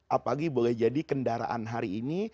apalagi boleh jadi kendaraan hari ini